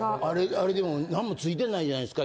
あれでも何もついてないじゃないですか。